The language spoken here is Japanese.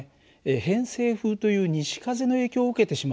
偏西風という西風の影響を受けてしまうんだよ。